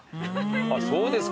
あっそうですか。